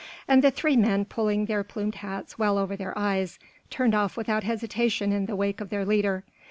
And the three men pulling their plumed hats well over their eyes, turned off without hesitation in the wake of their leader.